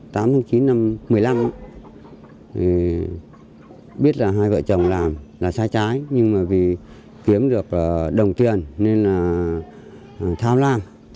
tháng tám tháng chín năm hai nghìn một mươi năm biết là hai vợ chồng làm là sai trái nhưng mà vì kiếm được đồng tiền nên là thao làm